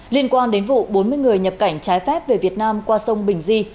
liên quan đến vụ bốn mươi người nhập cảnh trái phép về việt nam qua sông bình di